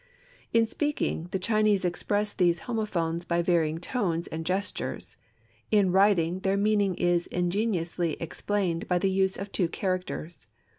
In speaking, the Chinese express these homophones by varying tones and gestures. In writing, their meaning is ingeniously explained by the use of two characters.